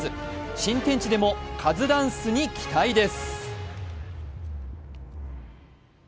新天地でもカズダンスに期待です。